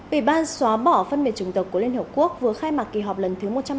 ủy ban xóa bỏ phân biệt chủng tộc của liên hợp quốc vừa khai mạc kỳ họp lần thứ một trăm ba mươi